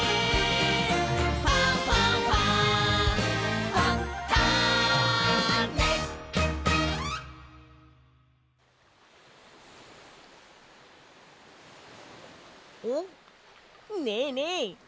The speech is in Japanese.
「ファンファンファン」おっねえねえ！